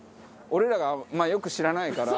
俺らがよく知らないから。